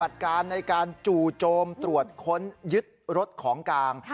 ปฏิบัติการในการจู่โจมตรวจค้นยึดรถของกาง